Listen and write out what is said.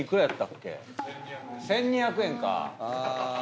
１，２００円か。